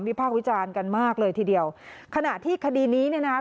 พากษ์วิจารณ์กันมากเลยทีเดียวขณะที่คดีนี้เนี่ยนะคะ